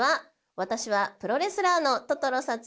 私はプロレスラーのトトロさつきです。